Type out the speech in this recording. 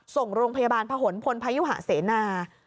ส่งโรงพยาบาลผนพลพยุหะเสนา